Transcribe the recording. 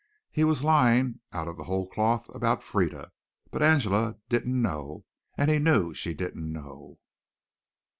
He was lying "out of the whole cloth" about Frieda, but Angela didn't know and he knew she didn't know.